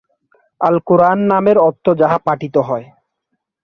‘আল-কুরআন’ নামের অর্থ যাহা পঠিত হয়।